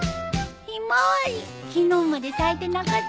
昨日まで咲いてなかったのに。